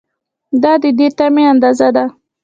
دا د دې تمې اندازه ده.